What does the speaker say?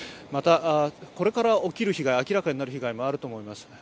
また、これから起きる被害、明らかになる被害もあると思います。